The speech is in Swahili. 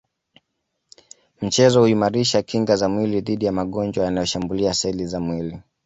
michezo huimarisha kinga za mwili dhidi ya magonjwa yanayo shambulia seli za mwili